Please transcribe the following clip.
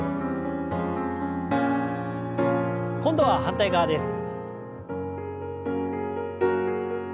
今度は反対側です。